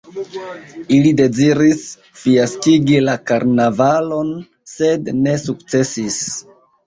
Ili deziris fiaskigi la karnavalon, sed ne sukcesis.